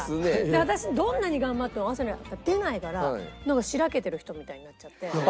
私どんなに頑張っても汗出ないからしらけてる人みたいになっちゃって。